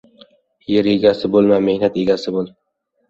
Yer egasi bo'lma, mehnat egasi bo'l.